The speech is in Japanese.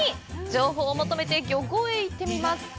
情報を求めて、漁港へ行ってみます！